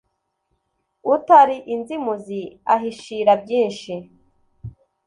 utari inzimuzi ahishira byinshi